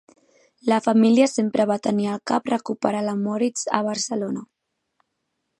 La família sempre va tenir al cap recuperar la Moritz a Barcelona.